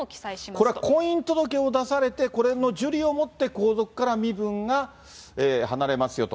これ、婚姻届を出されて、これの受理をもって、皇族から身分が離れますよと。